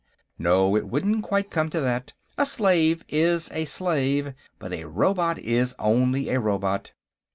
No. It wouldn't quite come to that. A slave is a slave, but a robot is only a robot.